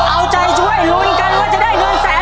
เอาใจช่วยลุนกันว่าจะได้เงินแสนหรือไม่